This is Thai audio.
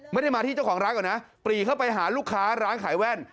ไม่ได้มาที่เจ้าของร้านก่อนนะปรีเข้าไปหาลูกค้าร้านขายแว่น